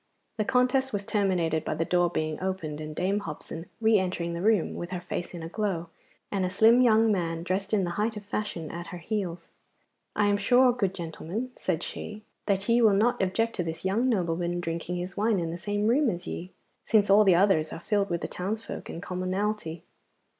The contest was terminated by the door being opened, and Dame Hobson re entering the room with her face in a glow, and a slim young man dressed in the height of fashion at her heels. 'I am sure, good gentlemen,' said she, 'that ye will not object to this young nobleman drinking his wine in the same room with ye, since all the others are filled with the townsfolk and commonalty.